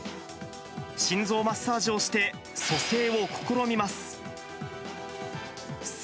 心臓マッサージをして、蘇生を試みます。